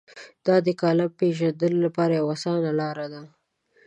دا د کالم پېژندنې لپاره یوه اسانه لار ده.